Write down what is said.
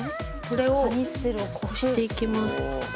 これをこしていきます。